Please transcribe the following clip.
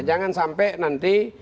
jangan sampai nanti